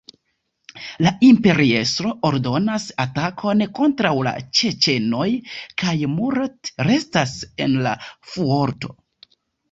La imperiestro ordonas atakon kontraŭ la ĉeĉenoj, kaj Murat restas en la fuorto.